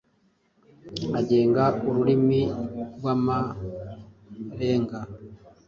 agenga ururimi rw’Amarenga,